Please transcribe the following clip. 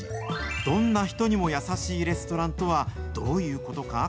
どんな人にも優しいレストランとは、どういうことか。